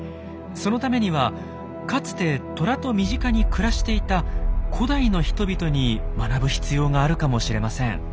そのためにはかつてトラと身近に暮らしていた古代の人々に学ぶ必要があるかもしれません。